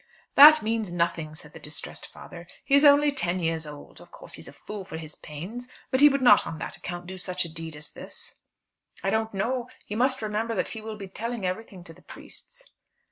"That means nothing," said the distressed father. "He is only ten years old. Of course he's a fool for his pains; but he would not on that account do such a deed as this." "I don't know. You must remember that he will be telling everything to the priests."